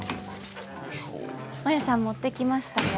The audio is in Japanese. マヤさん持ってきましたよ。